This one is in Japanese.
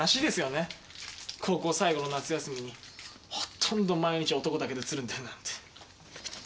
高校最後の夏休みにほとんど毎日男だけでつるんでるなんて。